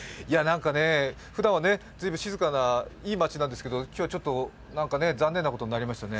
ふだんは随分静かないい町なんですけど今日は残念なことになりましたね。